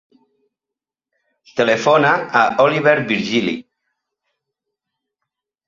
Telefona a l'Oliver Virgili.